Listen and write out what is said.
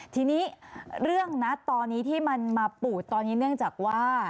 ทีนี้เรื่องนะตอนนี้ที่มันมาปูดตอนนี้เนื่องจากว่า